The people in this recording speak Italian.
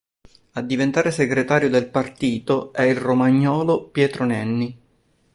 A diventare segretario del partito è il romagnolo Pietro Nenni.